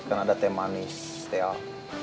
kan ada teh manis teh al